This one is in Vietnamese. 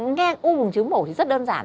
nghe u bồn trứng mổ thì rất đơn giản